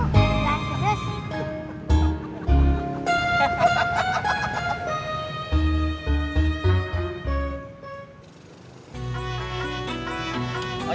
kecil tapi tetep pedas